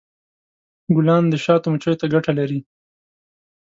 ګلان د شاتو مچیو ته ګټه لري.